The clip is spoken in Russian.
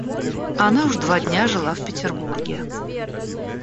Она уж два дня жила в Петербурге.